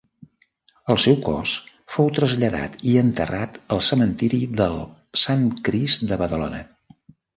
El seu cos fou traslladat i enterrat al Cementiri del Sant Crist de Badalona.